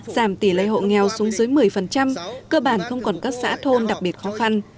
giảm tỷ lệ hộ nghèo xuống dưới một mươi cơ bản không còn các xã thôn đặc biệt khó khăn